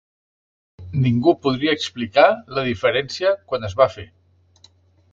Ningú podria explicar la diferència quan es va fer.